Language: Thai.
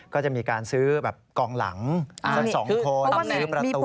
ก็จะมีการซื้อกองหลังสัก๒คนซื้อประตู